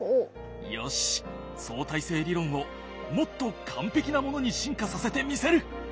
よし相対性理論をもっと完璧なものに進化させてみせる！